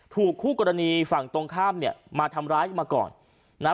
คู่กรณีฝั่งตรงข้ามเนี่ยมาทำร้ายมาก่อนนะฮะ